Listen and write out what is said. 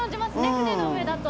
船の上だと。